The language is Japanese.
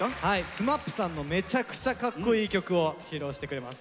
ＳＭＡＰさんのめちゃくちゃかっこいい曲を披露してくれます。